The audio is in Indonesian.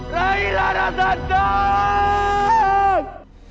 rai rara santang